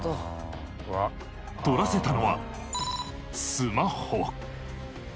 取らせたのはスマホ。